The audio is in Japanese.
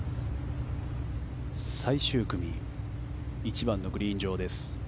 最終組、１番のグリーン上です。